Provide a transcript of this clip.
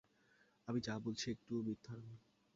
আমি যা বলেছি একটুও মিথ্যা না।